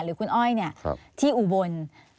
หรือคุณอ้อยที่อุบล